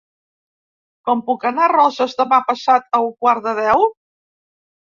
Com puc anar a Roses demà passat a un quart de deu?